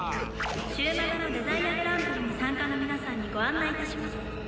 「終幕のデザイアグランプリに参加の皆さんにご案内致します」